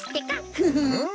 フフフ。